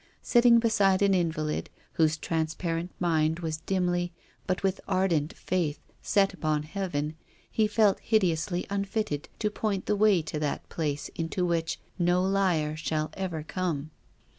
Sit ting beside an invalid, whose transparent mind was dimly, but with ardent faith, set on Heaven, he f( It hideously unfitted to point the way to that place into which no liar shall ever Lonie.